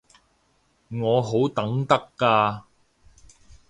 我好等得㗎